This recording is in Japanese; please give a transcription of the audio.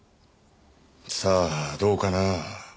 さあどうかな？